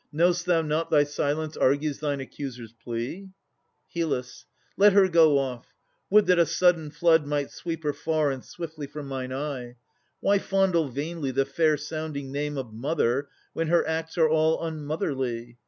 Know'st thou not Thy silence argues thine accuser's plea? HYL. Let her go off. Would that a sudden flood Might sweep her far and swiftly from mine eye! Why fondle vainly the fair sounding name Of mother, when her acts are all unmotherly?